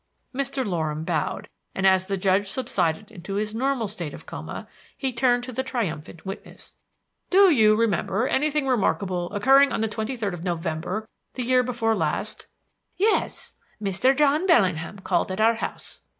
Mr. Loram bowed, and as the Judge subsided into his normal state of coma he turned to the triumphant witness. "Do you remember anything remarkable occurring on the twenty third of November the year before last?" "Yes. Mr. John Bellingham called at our house."